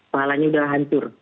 palanya sudah hancur